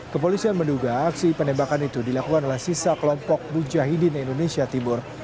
kepolisian menduga aksi penembakan itu dilakukan oleh sisa kelompok bu jahidin indonesia tibur